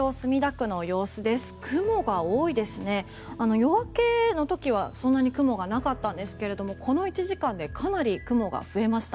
夜明けの時はそんなに雲がなかったんですがこの１時間でかなり雲が増えました。